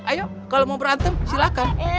ayo kalau mau berantem silahkan